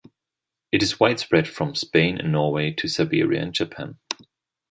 It is widespread from Spain and Norway to Siberia and Japan.